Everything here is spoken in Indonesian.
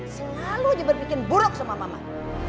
selalu aja berpikir bantuanmu ya mbak